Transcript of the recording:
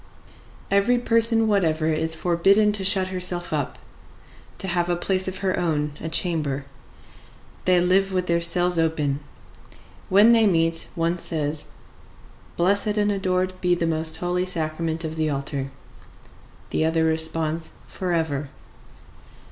Every person whatever is forbidden to shut herself up, to have a place of her own, a chamber. They live with their cells open. When they meet, one says, "Blessed and adored be the most Holy Sacrament of the altar!" The other responds, "Forever."